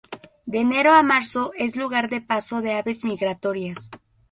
De enero a marzo es lugar de paso de aves migratorias.